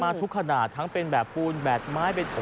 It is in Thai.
ทุกขนาดทั้งเป็นแบบปูนแบบไม้